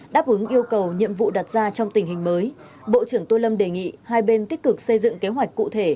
đáp ứng yêu cầu nhiệm vụ đặt ra trong tình hình mới bộ trưởng tô lâm đề nghị hai bên tích cực xây dựng kế hoạch cụ thể